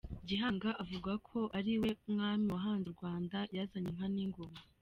Gihanga avugwaho ko ari we mwami wahanze u Rwanda, yazanye inka n’ingoma.